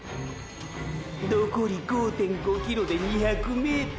のこり５．５ｋｍで２００ｍ！！